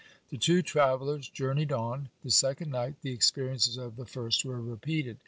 The two travellers journeyed on. The second night the experiences of the first were repeated.